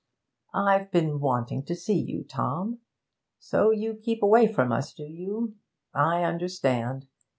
'I've been wanting to see you, Tom. So you keep away from us, do you? I understand.